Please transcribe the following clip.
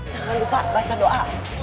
jangan lupa baca doa